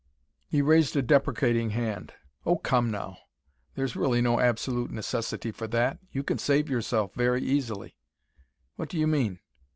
He raised a deprecating hand. "Oh, come now. There's really no absolute necessity for that. You can save yourself, very easily." "What do you mean?"